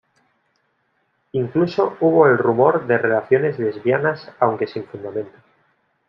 Incluso hubo el rumor de relaciones lesbianas aunque sin fundamento.